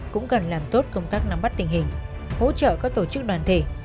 cũng cần làm tốt công tác nắm bắt tình hình hỗ trợ các tổ chức đoàn thể